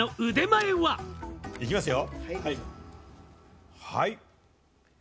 ではいきますよ。